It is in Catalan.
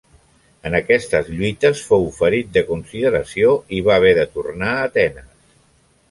En aquestes lluites fou ferit de consideració i va haver de tornar a Atenes.